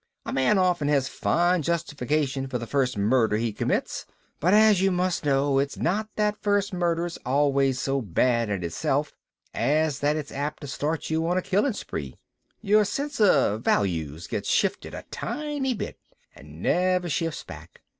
A man often has fine justification for the first murder he commits. But as you must know, it's not that the first murder's always so bad in itself as that it's apt to start you on a killing spree. Your sense of values gets shifted a tiny bit and never shifts back.